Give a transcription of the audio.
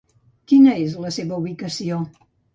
Quina és la seva ubicació?